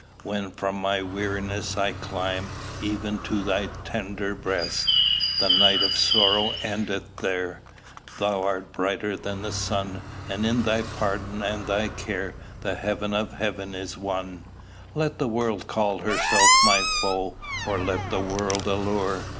When from my weariness I climb Even to thy tender breast! The night of sorrow endeth there: Thou art brighter than the sun; And in thy pardon and thy care The heaven of heaven is won. Let the world call herself my foe, Or let the world allure.